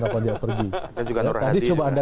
kapan dia pergi tadi coba anda